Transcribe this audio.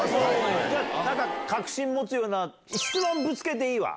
じゃあ、ただ確信持つような質問ぶつけていいわ。